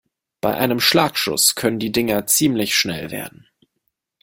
Bei einem Schlagschuss können die Dinger ziemlich schnell werden.